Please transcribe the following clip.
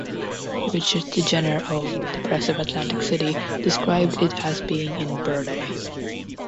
Richard Degener of "The Press of Atlantic City" described it as being in Burleigh.